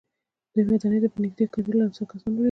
دې ودانۍ ته په نږدې کېدلو کسان وليدل.